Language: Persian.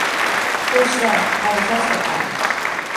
هشدار - حرکت به غرب!